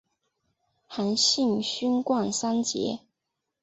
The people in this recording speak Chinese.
韩信勋冠三杰。